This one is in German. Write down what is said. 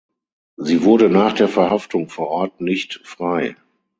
Sie wurde nach der Verhaftung vor Ort nicht frei.